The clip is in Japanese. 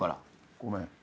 ごめん。